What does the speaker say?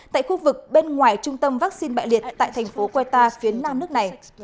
tại khu vực bên ngoài trung tâm vaccine bại liệt tại thành phố queta phía nam nước này